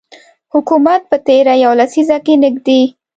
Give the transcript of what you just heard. حکومت په تیره یوه لسیزه کې نږدې